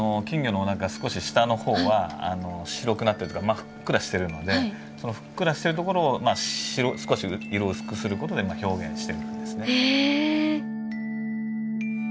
金魚のおなか少し下の方は白くなってるふっくらしてるのでそのふっくらしてるところを少し色を薄くすることで表現してるんですね。